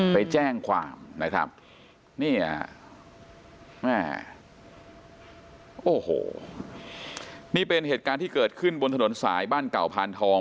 ไปแจ้งความนะครับเนี่ยแม่โอ้โหนี่เป็นเหตุการณ์ที่เกิดขึ้นบนถนนสายบ้านเก่าพานทอง